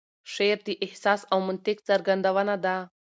شعر د احساس او منطق څرګندونه ده.